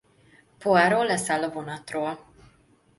Poirot leszáll a vonatról.